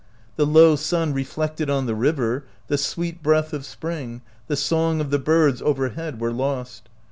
The low sun reflected on the river, the sweet breath of spring, the song of the birds over head were lost.